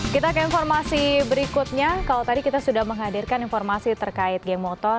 kita ke informasi berikutnya kalau tadi kita sudah menghadirkan informasi terkait geng motor